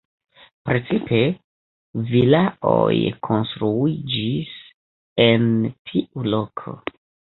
Precipe vilaoj konstruiĝis en tiu loko.